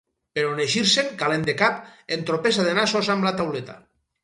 Però en eixir-se'n, calent de cap, entropessa de nassos amb la tauleta.